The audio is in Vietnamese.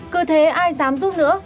cứ thế ai dám giúp nữa